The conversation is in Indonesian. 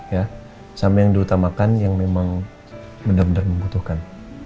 ya sama yang diutamakan yang memang benar benar membutuhkan